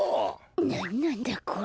なんなんだこれ。